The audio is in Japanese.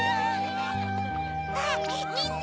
あっみんな！